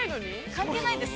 ◆関係ないです。